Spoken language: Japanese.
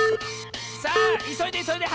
さあいそいでいそいで！